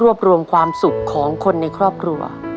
เพื่อร่วมร่วงความสุขของคนในครอบครัว